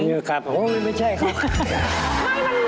นี่ครับโอ้โฮไม่ใช่ครับ